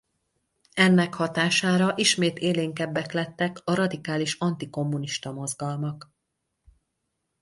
Ennek hatására ismét élénkebbek lettek a radikális antikommunista mozgalmak.